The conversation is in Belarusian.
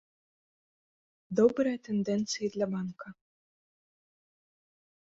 Добрыя тэндэнцыі для банка.